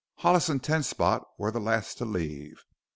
Hollis and Ten Spot were the last to leave.